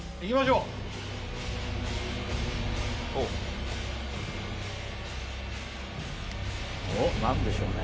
うおお・おっ何でしょうね？